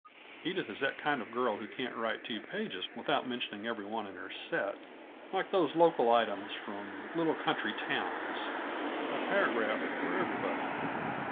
Edith is that kind of girl who can't write two pages without mentioning every one in her set; like those Local Items from little country towns; a paragraph for everybody.